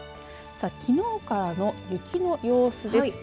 さあきのうからの雪の様子です。